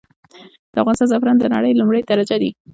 د افغانستان زعفران د نړې لمړی درجه دي.